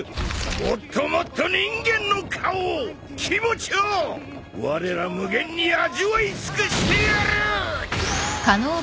もっともっと人間の顔を気持ちをわれら無限に味わい尽くしてやる！